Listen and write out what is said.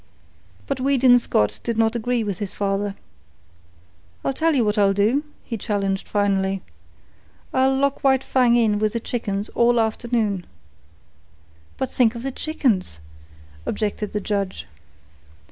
But Weedon Scott did not agree with his father. "I'll tell you what I'll do," he challenged finally. "I'll lock White Fang in with the chickens all afternoon." "But think of the chickens," objected the judge.